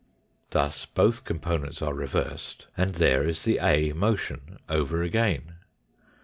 Thus both components are reversed, and there is the A motion over again.